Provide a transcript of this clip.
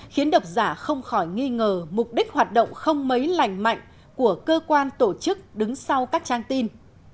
khiến độc giả không khỏi nghi ngờ mục đích hoạt động không mấy lành mạnh của cơ quan tổ chức đứng sau các trang tin